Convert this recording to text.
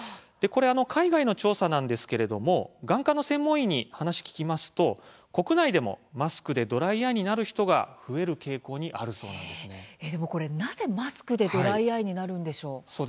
これは海外の調査なんですけれども眼科の専門医に話を聞きますと国内でもマスクでドライアイになる人が増える傾向になぜマスクでドライアイになるんでしょうか。